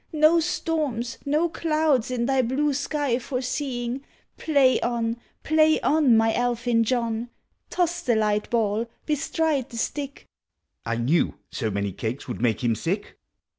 No storms, no clouds, in thy blue sky foreseeing, IMay on, play on, My ellin .John ! Toss the light ball, bestride the stick, — (1 knew so many cakes would make him sick!)